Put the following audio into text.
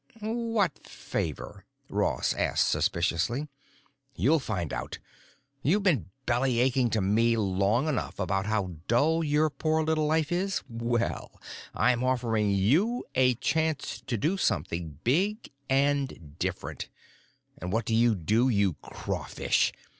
"What favor?" Ross asked suspiciously. "You'll find out. You've been bellyaching to me long enough about how dull your poor little life is. Well, I'm offering you a chance to do something big and different. And what do you do? You crawfish.